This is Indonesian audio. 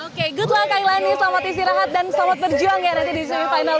oke good lucky line selamat istirahat dan selamat berjuang ya nanti di semifinal